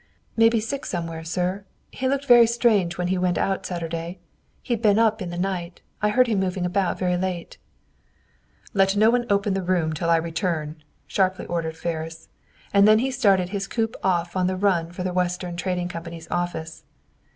"May be sick somewhere, sir. He looked very strange when he went out Saturday. He'd been up in the night. I heard him moving around very late." "Let no one open the room till I return," sharply ordered Ferris, and he then started his coupe off on the run for the Western Trading Company's office.